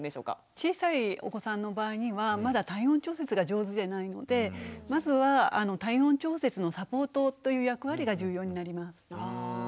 小さいお子さんの場合にはまだ体温調節が上手でないのでまずは体温調節のサポートという役割が重要になります。